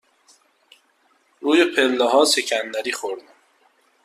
روی پله ها سکندری خوردم.